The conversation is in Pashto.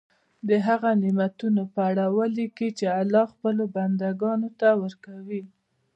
د هغه نعمتونو په اړه ولیکي چې الله خپلو بندګانو ته ورکوي.